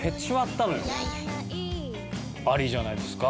ありじゃないですか？